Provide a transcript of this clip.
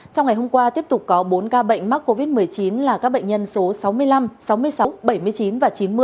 trong ngày hôm qua tiếp tục có bốn ca bệnh mắc covid một mươi chín là các bệnh nhân số sáu mươi năm sáu mươi sáu bảy mươi chín và chín mươi